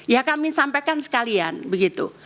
ya kami sampaikan sekalian begitu